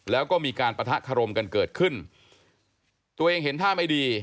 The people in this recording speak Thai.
แล้วก็มีการปะทะคารมกันเกิดขึ้นตัวเองเห็นท่าไม่ดี